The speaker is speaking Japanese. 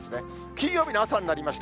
金曜日の朝になりました。